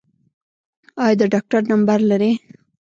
ایا د ډاکټر نمبر لرئ؟